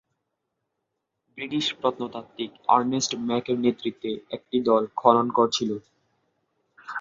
British প্রত্নতাত্ত্বিক Ernest ম্যাকের নেতৃত্বে একটি দল খনন করেছিল।